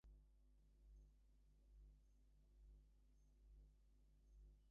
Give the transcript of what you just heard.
She is coached by former World Champion and British Olympian Liam Phillips.